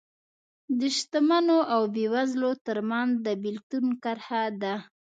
د شتمنو او بېوزلو ترمنځ د بېلتون کرښه ده